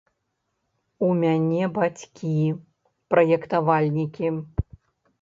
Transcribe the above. У мяне бацькі праектавальнікі.